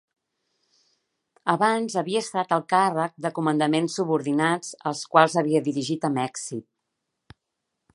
Abans havia estat al càrrec de comandaments subordinats els quals havia dirigit amb èxit.